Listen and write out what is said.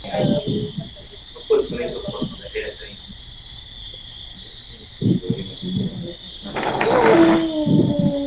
benki hiyo ilianzishwa mwezi desemba mwaka elfu moja mia tisa